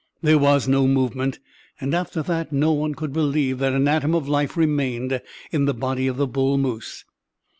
There was no movement, and after that no one could believe that an atom of life remained in the body of the bull moose.